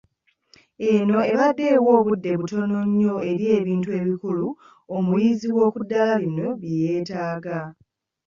Eno ebadde ewa obudde butono nnyo eri ebintu ebikulu omuyizi w’okuddaala lino bye yeetaaga.